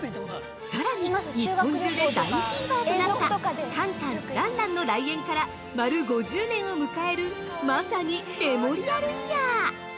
さらに、日本中で大フィーバーとなったカンカン・ランランの来園から丸５０年を迎えるまさにメモリアルイヤー。